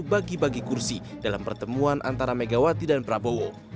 bagi bagi kursi dalam pertemuan antara megawati dan prabowo